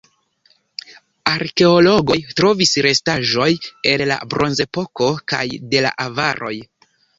Arkeologoj trovis restaĵojn el la bronzepoko kaj de la avaroj.